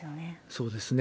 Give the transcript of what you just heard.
そうですね。